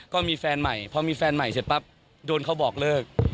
ก็มีแฟนใหม่พอมีแฟนใหม่เสร็จปั๊บโดนเขาบอกเลิก